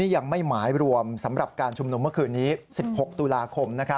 ยังไม่หมายรวมสำหรับการชุมนุมเมื่อคืนนี้๑๖ตุลาคม